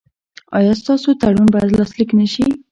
ایا ستاسو تړون به لاسلیک نه شي؟